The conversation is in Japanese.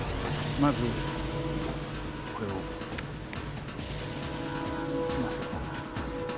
まずこれをいきますよ。